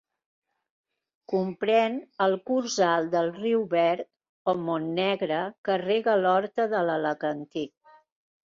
Comprén el curs alt del riu Verd o Montnegre, que rega l'horta de l'Alacantí.